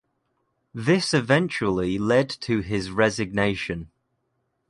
This eventually led to his resignation.